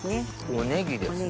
おネギですね。